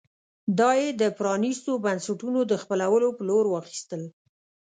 دا یې د پرانېستو بنسټونو د خپلولو په لور واخیستل.